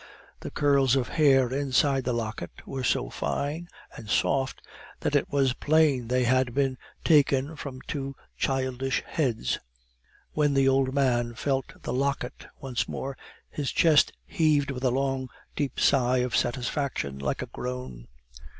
The curls of hair inside the locket were so fine and soft that is was plain they had been taken from two childish heads. When the old man felt the locket once more, his chest heaved with a long deep sigh of satisfaction, like a groan.